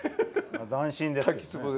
斬新ですね。